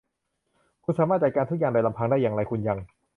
คุณสามารถจัดการทุกอย่างโดยลำพังได้อย่างไร คุณยัง